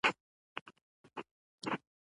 مجاهد د خدای په نوم جنګېږي.